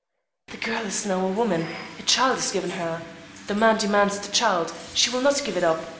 "The girl is now a woman. A child is given her. The man demands the child. She will not give it up.